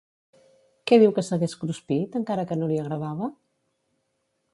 Què diu que s'hagués cruspit, encara que no li agradava?